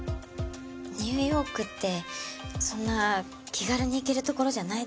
ニューヨークってそんな気軽に行ける所じゃないですよね。